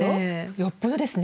よっぽどですね。